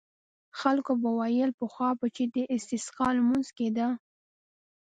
خلکو به ویل پخوا به چې د استسقا لمونځ کېده.